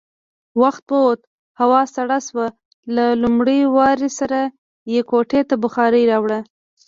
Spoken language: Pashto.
وخت ووت، هوا سړه شوه، له لومړۍ واورې سره يې کوټې ته بخارۍ راوړه.